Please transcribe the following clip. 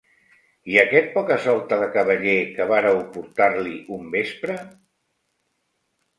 I aquest poca-solta de cavaller que vàreu portar-li un vespre?